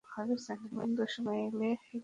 কিন্তু সময় এলে, হেগে দিতো।